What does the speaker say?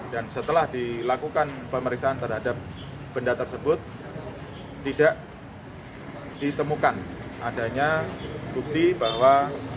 dan setelah dilakukan pemeriksaan terhadap benda tersebut tidak ditemukan adanya bukti bahwa